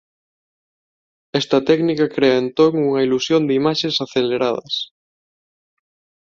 Esta técnica crea entón unha ilusión de imaxes aceleradas.